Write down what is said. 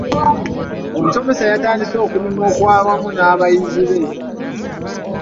Omusomesa yatandise okunyumya okwawamu n'abayizi be.